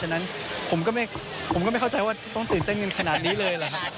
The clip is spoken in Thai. ฉะนั้นผมก็ไม่เข้าใจว่าต้องตื่นเต้นกันขนาดนี้เลยหรือครับ